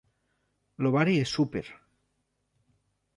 L'ovari és súper.